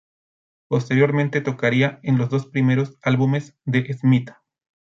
Posteriormente tocaría en los dos primeros álbumes de Smith.